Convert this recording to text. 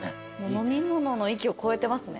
飲み物の域を超えてますね。